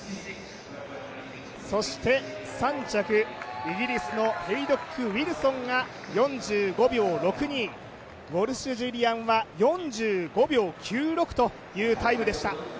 そして３着、イギリスのへイドック・ウィルソンが４５秒６２、ウォルシュ・ジュリアンは４５秒９０というタイムでした。